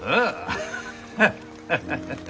アハハハハ。